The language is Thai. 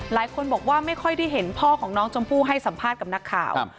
หลายคนบอกว่าไม่ค่อยได้เห็นพ่อของน้องชมพู่ให้สัมภาษณ์กับนักข่าว